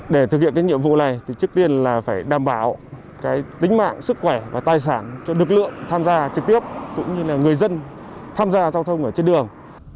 để thực hiện nhiệm vụ này trước tiên là phải đảm bảo tính mạng sức khỏe và tài sản cho lực lượng tham gia trực tiếp cũng như người dân tham gia giao thông trên đường